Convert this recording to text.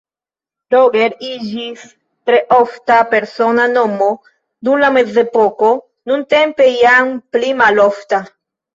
Roger iĝis tre ofta persona nomo dum la mezepoko, nuntempe jam pli malofta.